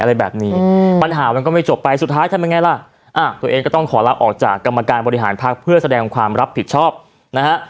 อะไรแบบนี้ปัญหามันก็ไม่จบไปสุดท้ายทำยังไงล่ะตัวเองก็ต้องขอลาออกจากกรรมการบริหารพักเพื่อแสดงความรับผิดชอบนะฮะ